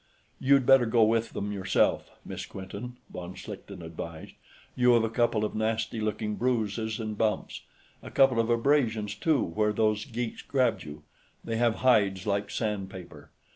"You'd better go with them, yourself, Miss Quinton," von Schlichten advised. "You have a couple of nasty looking bruises and bumps. A couple of abrasions, too, where those geeks grabbed you; they have hides like sandpaper.